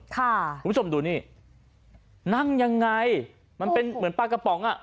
คุณผู้ชมดูนี่นั่งยังไงมันเป็นเหมือนปลากระป๋องอ่ะ